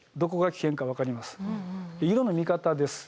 色の見方です。